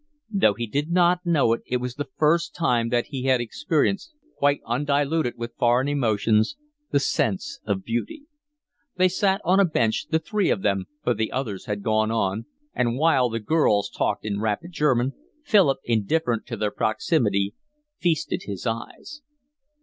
Though he did not know it, it was the first time that he had experienced, quite undiluted with foreign emotions, the sense of beauty. They sat on a bench, the three of them, for the others had gone on, and while the girls talked in rapid German, Philip, indifferent to their proximity, feasted his eyes.